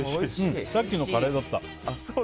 さっきのカレーだった。